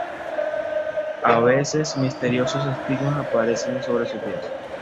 A veces misteriosos estigmas aparecen sobre su piel.